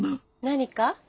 何か？